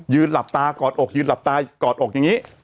หลับตากอดอกยืนหลับตากอดอกอย่างนี้